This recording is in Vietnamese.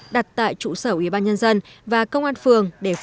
đặt tại trụ sở ủy ban nhân dân và công an phường